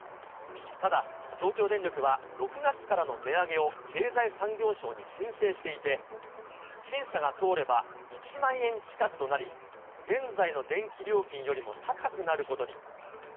ただ、東京電力は、６月からの値上げを経済産業省に申請していて、審査が通れば１万円近くとなり、現在の電気料金よりも高くなることに。